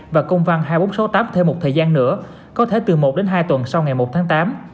và công văn hai nghìn bốn trăm sáu mươi tám thêm một thời gian nữa có thể từ một đến hai tuần sau ngày một tháng tám